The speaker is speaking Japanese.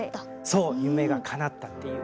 そう夢がかなったっていう。